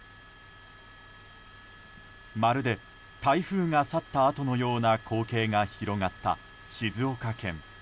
まるで台風が去ったあとのような光景が広がった静岡県。